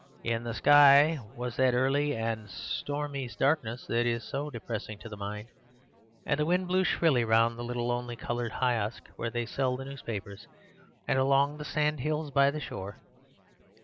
In the sky was that early and stormy darkness that is so depressing to the mind, and the wind blew shrilly round the little lonely coloured kiosk where they sell the newspapers, and along the sand hills by the shore.